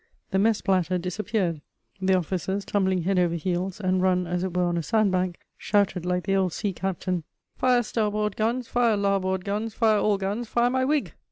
The mess platter disappeared; the officers, tumbling head over heels and run, as it were, on a sand bank, shouted like the old sea captain: "Fire starboard guns, fire larboard guns, fire all guns, fire my wig!"